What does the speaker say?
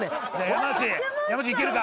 山内いけるか？